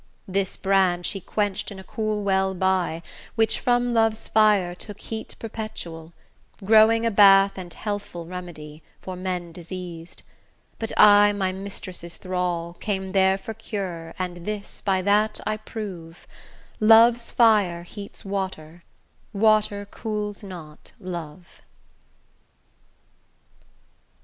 This brand she quenched in a cool well by, Which from Love's fire took heat perpetual, Growing a bath and healthful remedy, For men diseased; but I, my mistress' thrall, Came there for cure and this by that I prove, Love's fire heats water, water cools not love.